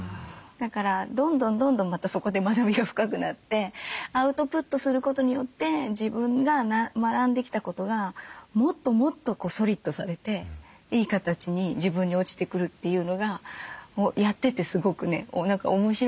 だからどんどんどんどんまたそこで学びが深くなってアウトプットすることによって自分が学んできたことがもっともっとソリッドされていい形に自分に落ちてくるというのがやっててすごくね面白いなと思います。